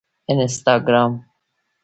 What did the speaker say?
انسټاګرام